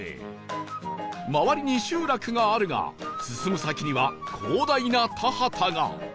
周りに集落があるが進む先には広大な田畑が